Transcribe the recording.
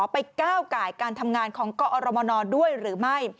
ไปก้าวไก่การทำงานของกอรมนด้วยหรือไม่